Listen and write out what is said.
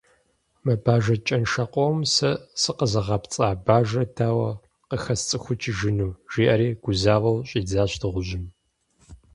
«Мы бажэ кӀэншэ къомым сэ сыкъэзыгъэпцӀа бажэр дауэ къахэсцӀыхукӀыжыну», – жиӀэри гузавэу щӀидзащ дыгъужьым.